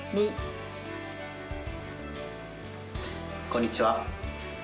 こんにちは。